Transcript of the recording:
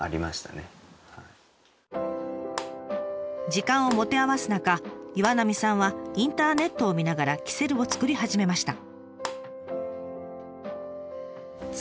時間を持て余す中岩浪さんはインターネットを見ながらキセルを作り始めました。